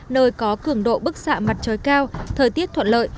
nơi có cường độ bức xạ mặt trời cao thời tiết thuận lợi